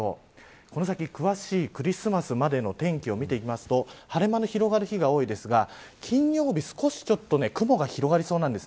この先、詳しいクリスマスまでの天気を見ていくと晴れ間の広がる日が多いですが金曜日、少し雲が広がりそうなんです。